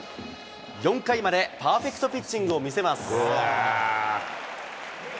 ４回までパーフェクトピッチングを見せます。